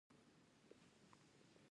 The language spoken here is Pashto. د هندواڼې پوستکی د پښتورګو لپاره وکاروئ